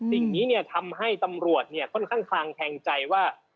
สิ่งนี้เนี่ยทำให้ตำรวจเนี่ยค่อนข้างแทงใจว่า